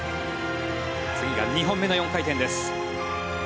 次が２本目の４回転です。